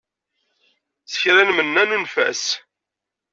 S kra nmenna, nunef-as.